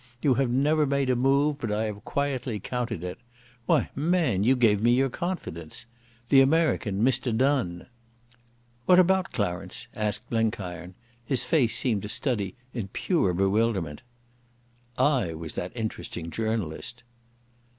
You have never made a move but I have quietly countered it. Why, man, you gave me your confidence. The American Mr Donne...." "What about Clarence?" asked Blenkiron. His face seemed a study in pure bewilderment. "I was that interesting journalist."